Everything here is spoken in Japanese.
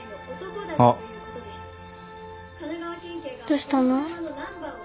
どうしたの？